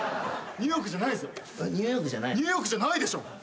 ニューヨークじゃないでしょ。